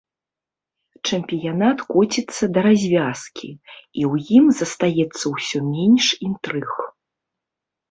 Чэмпіянат коціцца да развязкі, і ў ім застаецца ўсё менш інтрыг.